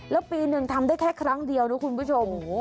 แล้วปีหนึ่งทำได้แค่ครั้งเดียวนะคุณผู้ชม